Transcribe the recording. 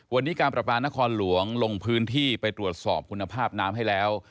วันนี้การประปานครหลวงลงพื้นที่ไปตรวจสอบคุณภาพน้ำให้แล้ว